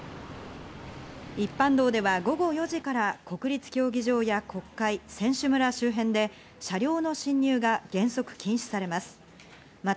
一般道では午後４時から国立競技場や国会、選手村周辺で車両の進入が原則禁止されます。